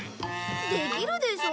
できるでしょ？